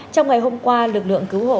trong ngày hôm qua lực lượng cứu hộ